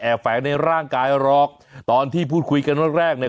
แฝงในร่างกายหรอกตอนที่พูดคุยกันแรกแรกเนี่ย